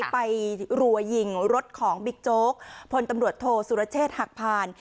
ไปรัวยิงรถของบิ๊กโจ๊กพลตำรวจโทสุรเชษฐ์หักพาน